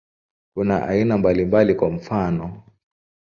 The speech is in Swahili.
Kuna aina mbalimbali, kwa mfano.